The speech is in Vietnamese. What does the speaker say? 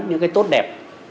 những cái tốt đẹp